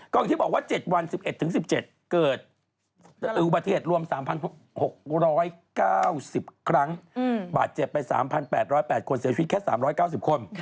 ก็อย่างที่บอกว่า๗วัน๑๑๑๑๗เกิดอุบัติเหตุรวม๓๖๙๐ครั้งบาดเจ็บไป๓๘๐๘คนเสียชีวิตแค่๓๙๐คน